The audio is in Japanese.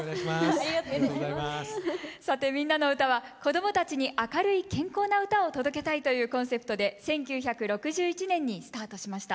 さて「みんなのうた」は「子どもたちに明るい健康な歌を届けたい」というコンセプトで１９６１年にスタートしました。